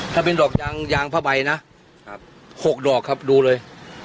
ถ้าเป็นดอกยางยางผ้าใบนะครับหกดอกครับดูเลย